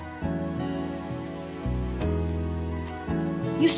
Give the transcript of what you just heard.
よし！